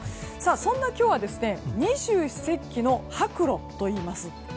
そんな今日は二十四節気の白露といいます。